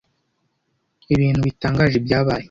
Ibintu bitangaje byabaye.